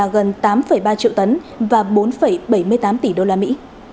gần tám ba triệu tấn và bốn bảy mươi tám tỷ đô la mỹ